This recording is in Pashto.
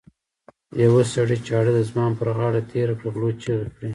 یوه سړي چاړه پر ځوان غاړه تېره کړه خلکو چیغې کړې.